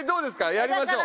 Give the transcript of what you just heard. やりましょう。